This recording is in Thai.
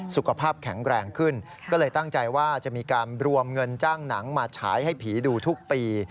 สุขภาพแข็งแรงขึ้นก็เลยตั้งใจว่าจะมีการรวมเงินจ้างหนังมาฉายให้ผีดูทุกปี